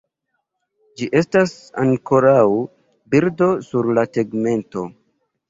Ĝi estas ankoraŭ birdo sur la tegmento.